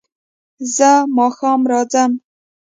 زه ماښام راځم